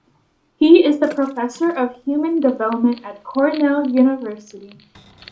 He is Professor of Human Development at Cornell University.